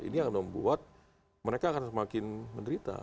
ini yang membuat mereka akan semakin menderita